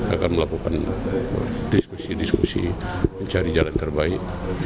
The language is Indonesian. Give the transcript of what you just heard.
akan melakukan diskusi diskusi mencari jalan terbaik